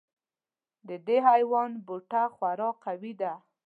د دې حیوان بوټه خورا قوي دی.